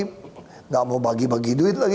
tidak mau bagi bagi duit lagi